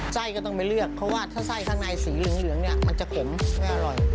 ไส้ก็ต้องไปเลือกเพราะว่าถ้าไส้ข้างในสีเหลืองเนี่ยมันจะเข็มไม่อร่อย